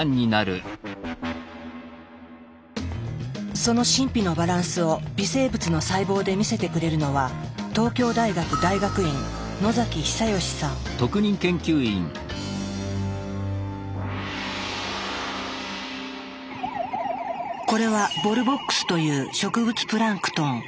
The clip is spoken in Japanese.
その神秘のバランスを微生物の細胞で見せてくれるのはこれはボルボックスという植物プランクトン。